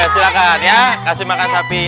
silahkan ya kasih makan sapi